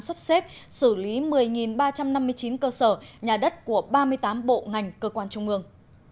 sắp xếp xử lý một mươi ba trăm năm mươi chín cơ sở nhà đất của ba mươi tám bộ ngành cơ quan trung ương